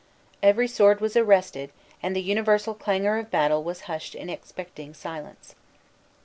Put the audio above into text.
Every sword was arrested, and the universal clangor of battle was hushed in expecting silence.